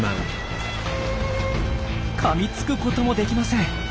かみつくこともできません。